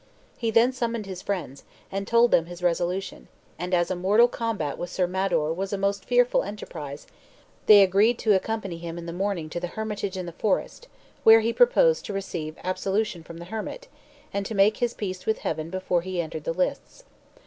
He then summoned his friends, and told them his resolution; and as a mortal combat with Sir Mador was a most fearful enterprise, they agreed to accompany him in the morning to the hermitage in the forest, where he proposed to receive absolution from the hermit, and to make his peace with Heaven before he entered the lists.